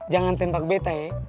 jangan tembak betta ye